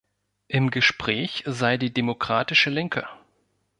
Im Gespräch sei die Demokratische Linke.